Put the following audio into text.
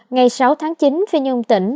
ngày sáu tháng chín phi nhung tỉnh